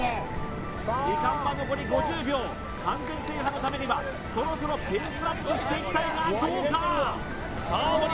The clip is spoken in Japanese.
時間は残り５０秒完全制覇のためにはそろそろペースアップしていきたいがどうかさあ森